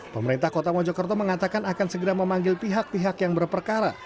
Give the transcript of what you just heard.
pemerintah kota mojokerto mengatakan akan segera memanggil pihak pihak yang berperkara